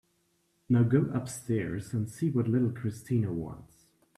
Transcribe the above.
Now go upstairs and see what little Christina wants.